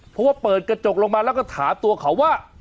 เพราะว่าเปิดกระจกลงมาแล้วก็ถามตัวเขาว่า